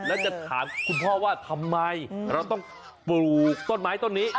แล้วจะถามคุณพ่อว่าทำไมเราต้องปลูกต้นไม้ต้นนี้